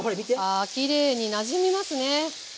あきれいになじみますね。